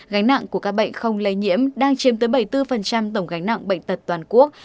gánh nặng của các bệnh không lây nhiễm đang chiếm tới bảy mươi bốn tổng gánh nặng bệnh tật toàn quốc